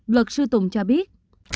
luật sư tùng cho biết